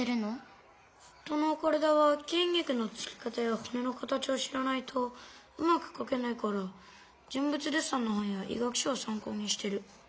人の体はきん肉のつき方やほねの形を知らないとうまくかけないから人物デッサンの本や医学書を参考にしてる。